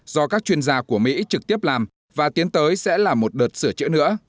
do các chuyên gia của mỹ trực tiếp làm và tiến tới sẽ là một đợt sửa chữa nữa